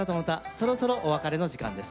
そろそろお別れの時間です。